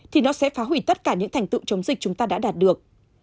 thì nó sẽ phá hủy tất cả những thành tựu chống dịch chúng ta đã đạt được